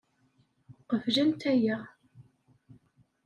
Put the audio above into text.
Qeblent aya.